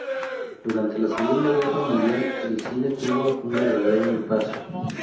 Durante la Segunda Guerra Mundial el cine tuvo un verdadero impasse.